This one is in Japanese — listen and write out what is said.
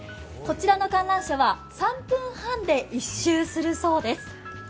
こちらの観覧車は３分半で１周するそうです。